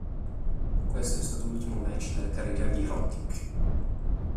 Questo è stato l'ultimo match della carriera di Roddick.